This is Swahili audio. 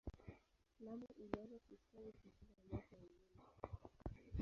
Lamu ilianza kustawi kushinda miaka ya nyuma.